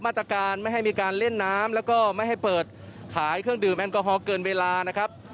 มาตรการไม่ให้มีการเล่นน้ำแล้วก็ไม่ให้เปิดขายเครื่องดื่มแอลกอฮอลเกินเวลานะครับ